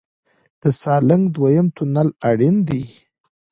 د سالنګ دویم تونل اړین دی